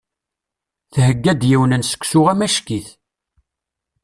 Thegga-d yiwen n seksu amacki-t.